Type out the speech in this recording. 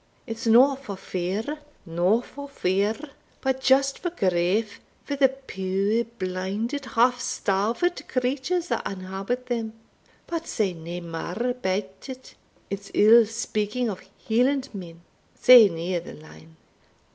It's no for fear no for fear, but just for grief, for the puir blinded half starved creatures that inhabit them but say nae mair about it it's ill speaking o' Hielandmen sae near the line.